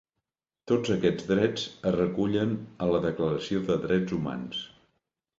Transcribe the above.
Tots aquests drets es recullen a la Declaració de Drets Humans.